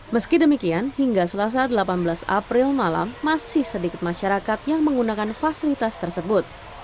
meski demikian hingga selasa delapan belas april malam masih sedikit masyarakat yang menggunakan fasilitas tersebut